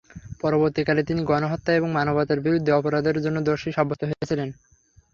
পরবর্তীকালে তিনি গণহত্যা এবং মানবতার বিরুদ্ধে অপরাধের জন্য দোষী সাব্যস্ত হয়েছিলেন।